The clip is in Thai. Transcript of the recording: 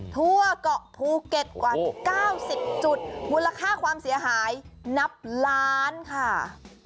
ทั่วเกาะภูเก็ตกว่า๙๐จุดมูลค่าความเสียหายนับล้านค่ะ